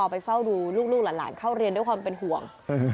ไปเฝ้าดูลูกหลานเข้าเรียนด้วยความเป็นห่วง